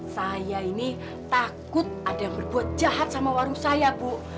saya ini takut ada yang berbuat jahat sama warung saya bu